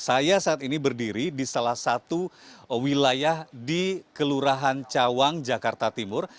saya saat ini berdiri di salah satu wilayah di kelurahan cawang jakarta timur